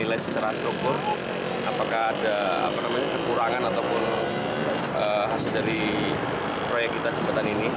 iya di bentang tengah jembatan